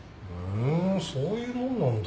えそういうもんなんだ。